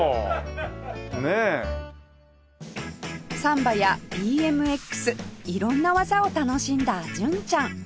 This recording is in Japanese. サンバや ＢＭＸ 色んな技を楽しんだ純ちゃん